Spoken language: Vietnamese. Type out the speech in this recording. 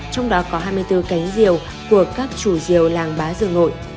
trong đó có hai mươi bốn cánh diều của các chủ diều làng bá dược nội